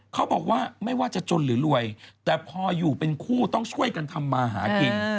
เขาบอกว่าไม่ว่าจะจนหรือรวยแต่พออยู่เป็นคู่ต้องช่วยกันทำมาหากิน